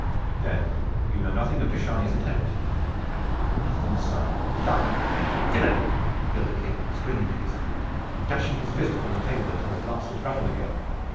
"Then you know nothing of de Chargny's attempt?" "Nothing sire." "Liar and villain!" yelled the King, springing to his feet and dashing his fist upon the table until the glasses rattled again.